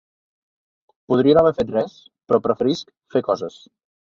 Podria no haver fet res, però preferisc fer coses.